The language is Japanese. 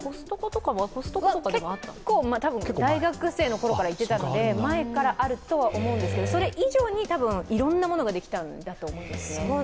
大学生のころから行ってたので前からあるとは思うんですけどそれ以上に多分いろいろなものができたんだと思います。